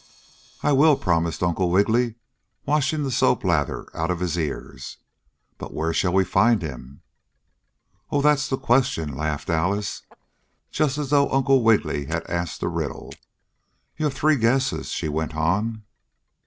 "I will," promised Uncle Wiggily, washing the soap lather out of his ears. "But where shall we find him?" "Oh, that's the question!" laughed Alice, just as though Uncle Wiggily had asked a riddle. "You have three guesses," she went on.